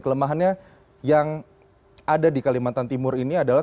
kelemahannya yang ada di kalimantan timur ini adalah